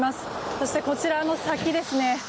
そして、こちらの先ですね